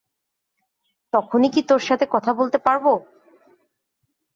তখনও কি তোর সাথে কথা বলতে পারবো?